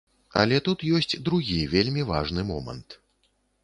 Але тут ёсць другі вельмі важны момант.